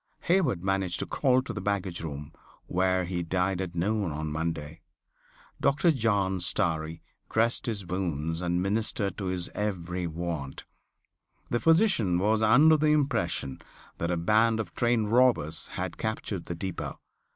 Hayward managed to crawl to the baggage room where he died at noon on Monday. Dr. John Starry dressed his wounds and ministered to his every want. The physician was under the impression that a band of train robbers had captured the depot.